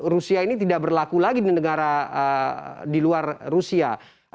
rusia ini tidak berlaku lagi di negara di luar rusia